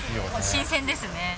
新鮮ですね。